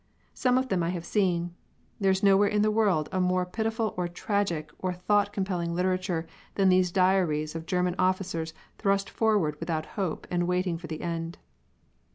Some of them I have seen. There is nowhere in the world a more pitiful or tragic or thought compelling literature than these diaries of German officers thrust forward without hope and waiting for the end.